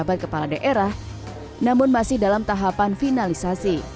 pejabat kepala daerah namun masih dalam tahapan finalisasi